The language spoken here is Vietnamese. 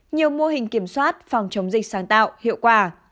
nhiều mô hình kiểm soát phòng chống dịch sáng tạo hiệu quả